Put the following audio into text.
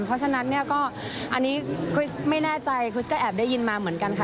เพราะฉะนั้นเนี่ยก็อันนี้คริสไม่แน่ใจคริสก็แอบได้ยินมาเหมือนกันค่ะ